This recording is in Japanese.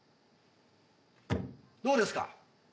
どうですか？